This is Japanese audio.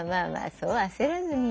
そう焦らずに。